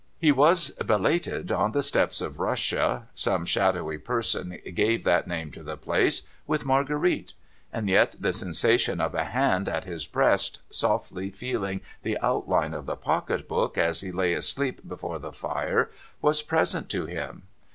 He was belated on the steppes of Russia (some shadowy person gave that name to the place) with Marguerite ; and yet the sensation of a hand at his breast, softly feeling the outline of the pocket book as he lay asleep before the fire, was present to him.